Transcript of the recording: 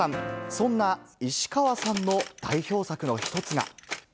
そんな石川さんの代表作の一つが。